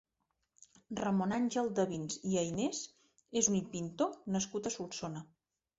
Ramon-Àngel Davins i Aynés és un pintor nascut a Solsona.